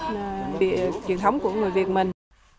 là bữa cơm truyền thống của người việt mình